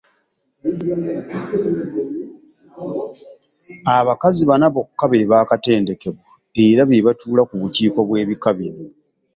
Abakazi bana bokka be baakatendekebwa era be batuula ku bukiiko bw’ebika bino.